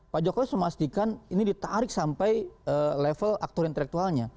pak jokowi memastikan ini ditarik sampai level aktor intelektualnya